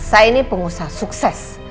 saya ini pengusaha sukses